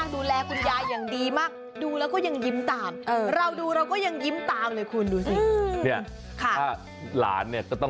เนี่ยถ้าหลานเนี่ย